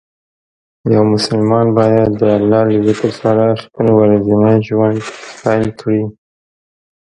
یو مسلمان باید د الله له ذکر سره خپل ورځنی ژوند پیل کړي.